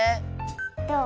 どう？